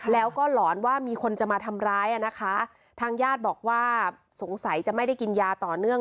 แล้วก็หลอนว่ามีคนจะมาทำร้ายอ่ะนะคะทางญาติบอกว่าสงสัยจะไม่ได้กินยาต่อเนื่อง